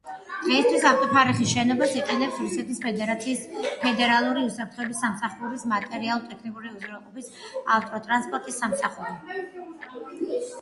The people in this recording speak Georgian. დღეისთვის, ავტოფარეხის შენობას იყენებს რუსეთის ფედერაციის ფედერალური უსაფრთხოების სამსახურის მატერიალურ-ტექნიკური უზრუნველყოფის ავტოტრანსპორტის სამსახური.